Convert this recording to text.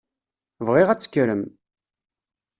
Bɣiɣ ad tekkrem.